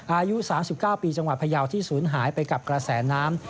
อายุ๓๙ปีจังหวัดพยาวที่ศูนย์หายไปกับกระแสน้ำ